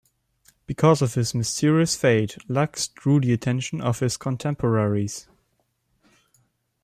Because of his mysterious fate, Lux drew the attention of his contemporaries.